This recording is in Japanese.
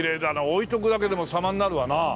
置いとくだけでも様になるわな。